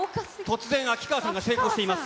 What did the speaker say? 突然、秋川さんが成功しています。